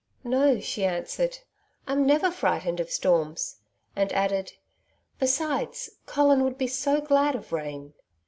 'No,' she answered. 'I'm never frightened of storms!' and added, 'besides, Colin would be so glad of rain.'